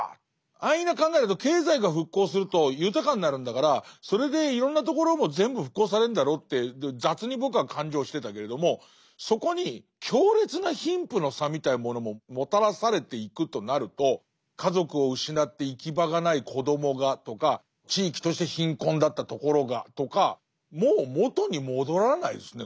安易な考えだと経済が復興すると豊かになるんだからそれでいろんなところも全部復興されんだろって雑に僕は勘定してたけれどもそこに強烈な貧富の差みたいなものももたらされていくとなると家族を失って行き場がない子どもがとか地域として貧困だったところがとかもう元に戻らないですね